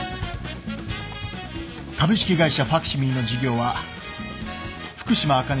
株式会社ファクシミリの事業は福島あかね